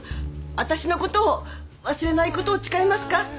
私のことを忘れないことを誓いますか？